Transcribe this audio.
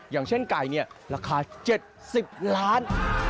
อย่างเช่นไก่ราคา๗๐ล้านบาท